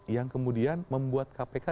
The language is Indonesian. yang kemudian membuat kpk